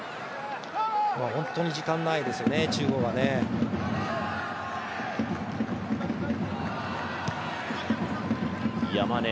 本当に時間がないですよね、中央はね。